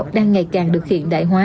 đang ngày càng được hiện đại hóa